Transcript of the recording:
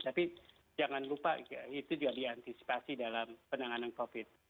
tapi jangan lupa itu juga diantisipasi dalam penanganan covid